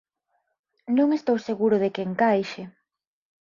Non estou seguro de que encaixe...